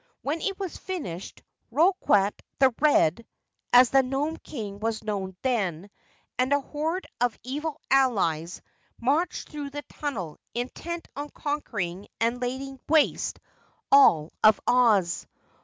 When it was finished, Roquat the Red (as the Nome King was known then) and a horde of evil allies marched through the tunnel, intent on conquering and laying waste all of Oz.